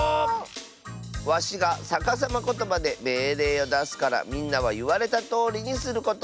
わしがさかさまことばでめいれいをだすからみんなはいわれたとおりにすること！